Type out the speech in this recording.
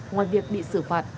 ngoài việc bị xử phạt